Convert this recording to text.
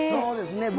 そうですね。